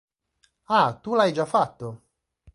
Ah, tu l'hai già fatto!